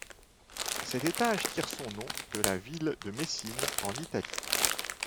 Cet étage tire son nom de la ville de Messine en Italie.